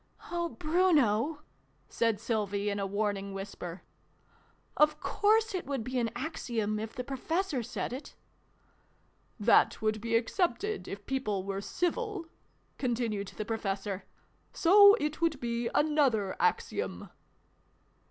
" Oh, Bruno !" said Sylvie in a warning whisper. " Of course it would be an Axiom, if the Professor said it !"" that would be accepted, if people were civil," continued the Professor ;" so it would be another Axiom."